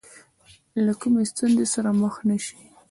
له کومې ستونزې سره مخ نه شي.